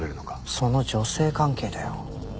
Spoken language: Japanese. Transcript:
その女性関係だよ。